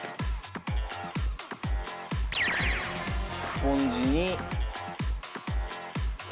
スポンジに。